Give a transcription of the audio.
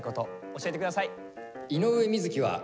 教えてください。